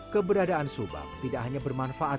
keberadaan subab tidak hanya bermanfaat